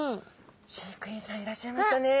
飼育員さんいらっしゃいましたね。